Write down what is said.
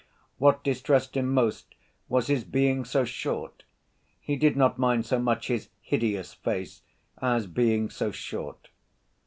What distressed him most was his being so short; he did not mind so much his "hideous" face, as being so short.